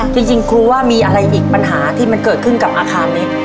จริงครูว่ามีอะไรอีกปัญหาที่มันเกิดขึ้นกับอาคารเล็ก